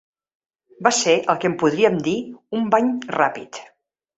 Va ser el que en podríem dir un bany ràpid